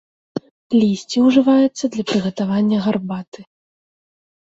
Лісце ўжываецца для прыгатавання гарбаты.